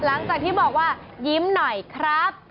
หลังจากที่บอกว่ายิ้มหน่อยครับ